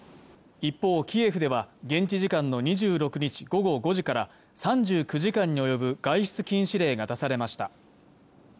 一方、キエフでは現地時間の２６日午後５時から３９時間に及ぶ外出禁止令が出されました。